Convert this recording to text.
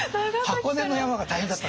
箱根の山が大変だった。